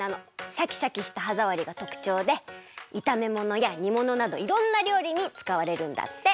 シャキシャキしたはざわりがとくちょうでいためものやにものなどいろんなりょうりにつかわれるんだって。